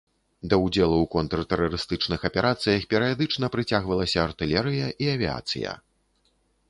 Да ўдзелу ў контртэрарыстычных аперацыях перыядычна прыцягвалася артылерыя і авіяцыя.